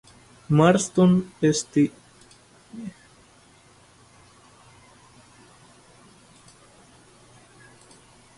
Marston St.